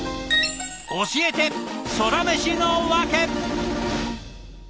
教えてソラメシのワケ！